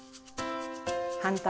反対。